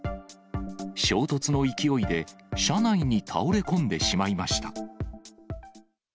衝突の勢いで、車内に倒れ込んでしまいました。